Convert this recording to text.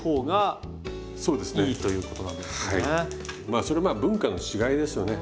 まあそれまあ文化の違いですよね。